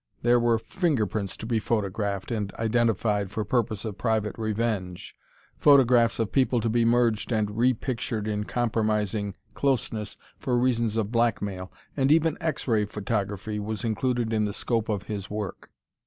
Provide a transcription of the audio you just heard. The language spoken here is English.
There were fingerprints to be photographed and identified for purpose of private revenge, photographs of people to be merged and repictured in compromising closeness for reasons of blackmail. And even X Ray photography was included in the scope of his work.